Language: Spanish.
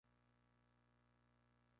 La casa general se encuentra en Caracas.